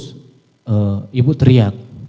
terus ibu teriak